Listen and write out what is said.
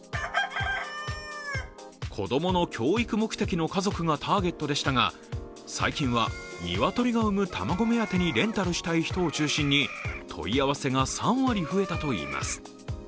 子供の教育目的の家族がターゲットでしたが最近は鶏が産む卵目当てにレンタルしたい人を中心に、問い合わせが３割増えたといいます